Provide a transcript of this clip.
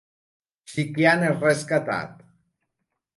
Shi Qian és rescatat.